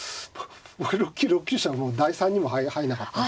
僕６九飛車はもう第３にも入んなかったんで。